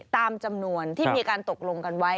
ตามจำนวนที่มีการตกลงกันไว้